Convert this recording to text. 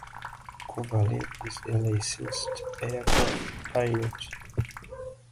Kovalev is a licensed aircraft pilot.